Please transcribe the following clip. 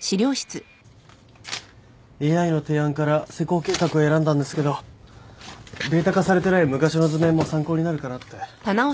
ＡＩの提案から施工計画を選んだんですけどデータ化されてない昔の図面も参考になるかなって。